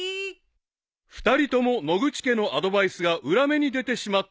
［２人とも野口家のアドバイスが裏目に出てしまっている］